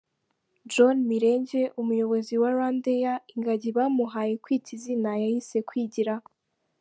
John Mirenge, Umuyobozi wa Rwandair ingagi bamuhaye kwita izina yayise “Kwigira”.